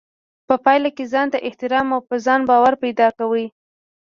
په پايله کې ځانته احترام او په ځان باور پيدا کوي.